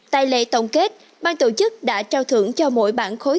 tại lễ tổng kết bang tổ chức đã trao thưởng cho mỗi bảng khối